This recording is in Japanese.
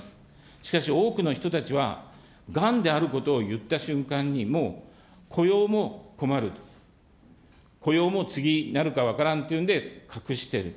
しかし、多くの人たちは、がんであることを言った瞬間にもう、雇用も困ると、雇用も次なるか分からんっていうんで隠してる。